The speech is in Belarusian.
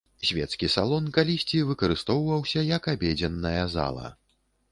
Свецкі салон калісьці выкарыстоўваўся як абедзенная зала.